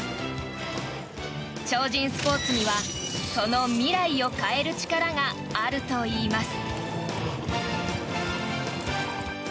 超人スポーツにはその未来を変える力があるといいます。